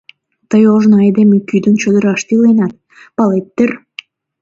Тый ожно айдеме кӱдынь чодыраште иленат, палет дыр?..